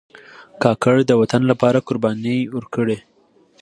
کاکړ د وطن لپاره قربانۍ ورکړي.